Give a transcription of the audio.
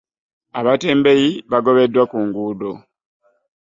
Abatembeeyi bagobeddwa ku nguddo.